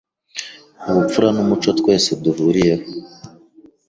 Ubupfura numuco twese duhuriyeho